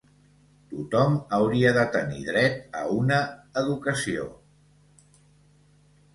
Tothom hauria de tenir dret a una educació.